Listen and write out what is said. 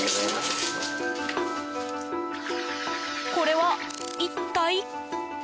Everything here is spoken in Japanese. これは、一体？